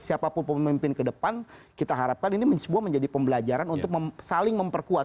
siapapun pemimpin kedepan kita harapkan ini semua menjadi pembelajaran untuk saling memperkuat